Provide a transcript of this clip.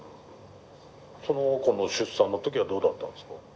その子の出産の時はどうだったんですか？